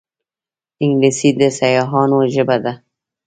انګلیسي د سیاحانو ژبه ده